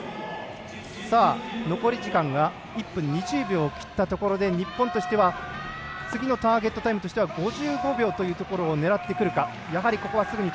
残り時間が１分２０秒を切ったところで日本としては次のターゲットタイムとしては５５秒というところを狙ってくるか。